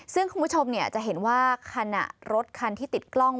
ซึ่งคุณผู้ชมจะเห็นว่าขณะรถคันที่ติดกล้อง